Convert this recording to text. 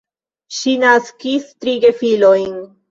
Ŝi naskis tri gefilojn.